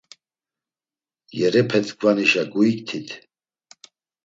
Yerepetkvanişa guiktit!